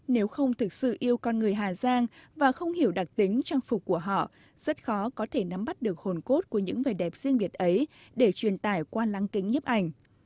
nếu không thực sự yêu con người hà giang và không hiểu đặc tính trang phục của họ rất khó có thể nắm bắt được hồn cốt của những vẻ đẹp riêng biệt ấy để truyền tải qua lăng kính nhấp ảnh